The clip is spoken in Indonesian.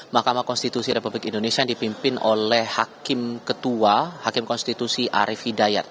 mahkamah konstitusi republik indonesia yang dipimpin oleh hakim ketua hakim konstitusi arief hidayat